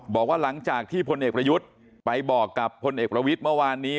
บอกว่าหลังจากที่พลเอกประยุทธ์ไปบอกกับพลเอกประวิทย์เมื่อวานนี้